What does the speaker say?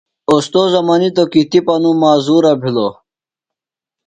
اوستوذہ منیتوۡ کی تِپہ نوۡ معذورہ بِھلوۡ۔